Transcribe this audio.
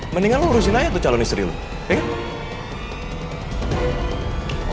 mendingan lo urusin aja tuh calon istri lo inget